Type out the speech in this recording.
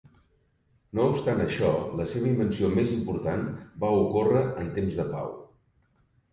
No obstant això, la seva invenció més important va ocórrer en temps de pau.